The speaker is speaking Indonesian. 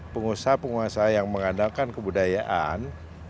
pengusaha penguasa yang mengandalkan kebudayaan